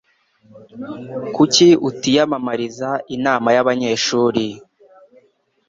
Kuki utiyamamariza inama y'abanyeshuri?